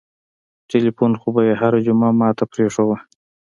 ټېلفون خو به يې هره جمعه ما ته پرېښووه.